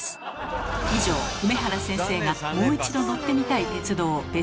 以上梅原先生がもう一度乗ってみたい鉄道ＢＥＳＴ３でした。